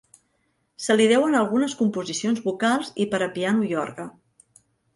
Se li deuen algunes composicions vocals i per a piano i orgue.